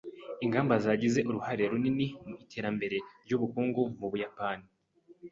Inganda zagize uruhare runini mu iterambere ry’ubukungu mu Buyapani